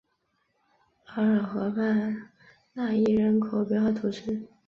厄尔河畔讷伊人口变化图示